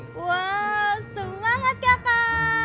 wow semangat ya kak